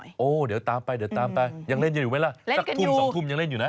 อใช่ตามไปยังเล่นอยู่ไหมล่ะสักทุ่มสองทุ่มยังเล่นอยู่นะ